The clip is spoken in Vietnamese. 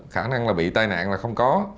khả năng là bị tai nạn là không có